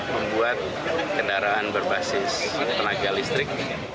membuat kendaraan berbasis tenaga listrik